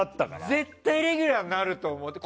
絶対レギュラーになると思って。